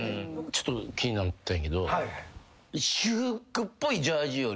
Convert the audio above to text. ちょっと気になったんやけど。